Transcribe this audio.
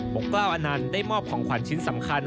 กกล้าวอนันต์ได้มอบของขวัญชิ้นสำคัญ